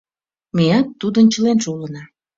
Меат тудын членже улына...